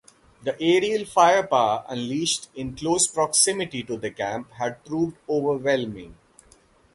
The aerial firepower unleashed in close proximity to the camp had proved overwhelming.